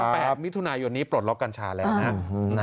แปบวิทยุนายนปลดล็อกกัญชาแล้วนะครับ